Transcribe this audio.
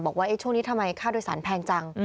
บอกว่าช่วงนี้ทำไมค่าโดยสารแพงจัง